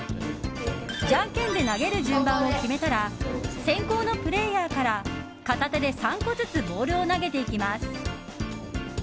じゃんけんで投げる順番を決めたら先攻のプレーヤーから片手で３個ずつボールを投げていきます。